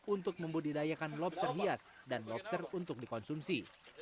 untuk membudidayakan lobster hias dan lobster untuk dikonsumsi